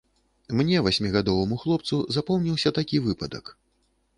Мне, васьмігадоваму хлопцу, запомніўся такі выпадак.